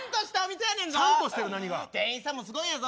店員さんもすごいんやぞ。